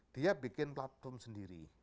dia bikin platform sendiri